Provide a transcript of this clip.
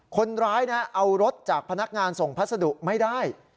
คนร้ายเอารถจากพนักงานส่งพัสดุไม่ได้